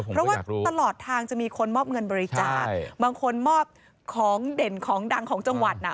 เพราะว่าตลอดทางจะมีคนมอบเงินบริจาคบางคนมอบของเด่นของดังของจังหวัดน่ะ